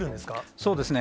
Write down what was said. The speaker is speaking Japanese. そうですね。